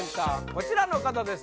こちらの方です